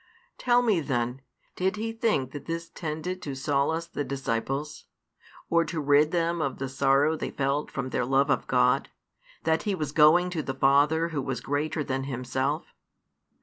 Tell me then, did He think that this tended to solace the disciples, or to rid them of the sorrow they felt from their love of God, that He was going to the Father Who was greater than Himself?